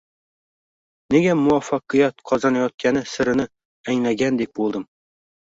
Nega muvaffaqiyat qozonayotgani sirini anglagandek bo’ldim.